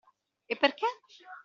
E perché?